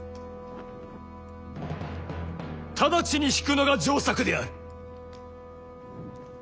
直ちに引くのが上策である！